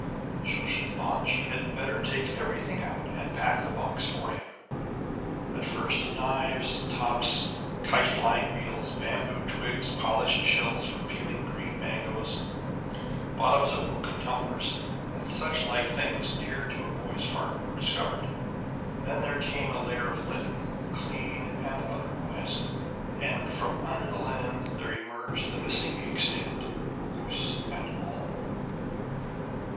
So she thought she had better take everything out and pack the box for him. At first knives, tops, kite flying reels, bamboo twigs, polished shells for peeling green mangoes, bottoms of broken tumblers and such like things dear to a boy's heart were discovered. Then there came a layer of linen, clean and otherwise. And from under the linen there emerged the missing inkstand, goose and all!